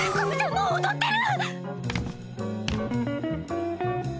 もう踊ってる！